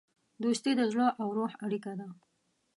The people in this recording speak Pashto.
دوستي د زړه او روح اړیکه ده.